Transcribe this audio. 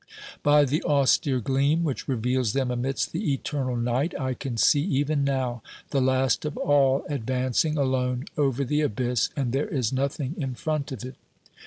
By the austere gleam which reveals them amidst the eternal night, I can see even now the last of all advancing alone over the abyss, and there is nothing in front of it.